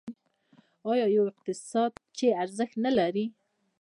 آیا یو اقتصاد چې ارزښت نلري؟